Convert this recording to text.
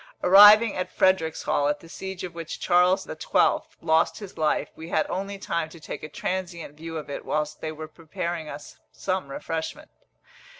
Arriving at Fredericshall, at the siege of which Charles XII. lost his life, we had only time to take a transient view of it whilst they were preparing us some refreshment.